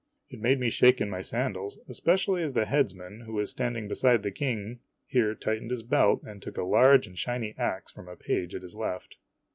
It made me shake in my sandals, especially as the headsman, who was standing beside the King, here tightened his belt and took a large and shiny ax from a page at his left.